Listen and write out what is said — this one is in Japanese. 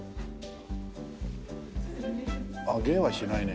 あっ芸はしないね。